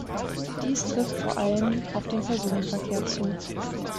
Dies trifft vor allem auf den Personenverkehr zu.